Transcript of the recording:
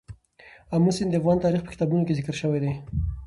آمو سیند د افغان تاریخ په کتابونو کې ذکر شوی دی.